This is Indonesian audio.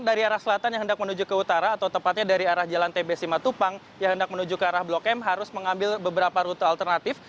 dari arah selatan yang hendak menuju ke utara atau tepatnya dari arah jalan tbc matupang yang hendak menuju ke arah blok m harus mengambil beberapa rute alternatif